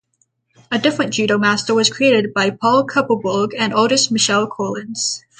A different Judomaster was created by Paul Kupperberg and artist Michael Collins.